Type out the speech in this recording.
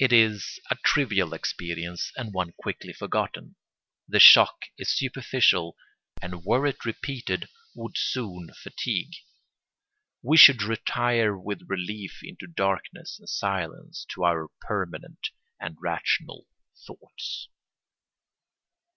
It is a trivial experience and one quickly forgotten. The shock is superficial and were it repeated would soon fatigue. We should retire with relief into darkness and silence, to our permanent and rational thoughts.